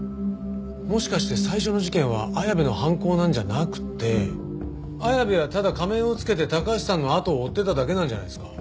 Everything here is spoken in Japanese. もしかして最初の事件は綾部の犯行なんじゃなくて綾部はただ仮面を着けて高橋さんのあとを追ってただけなんじゃないですか？